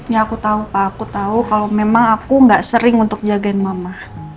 ya aku tahu pak aku tahu kalau memang aku gak sering untuk jagain mama